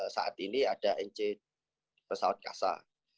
saat ini ada nc pesawat kasa